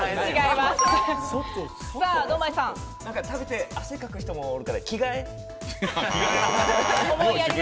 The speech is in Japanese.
食べて汗かく人もおるから着替え。